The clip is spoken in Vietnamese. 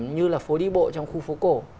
như là phố đi bộ trong khu phố cổ